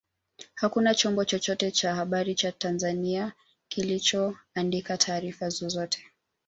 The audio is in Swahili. Hakuna chombo chochote cha habari cha Tanzania kilichoandika taarifa zozote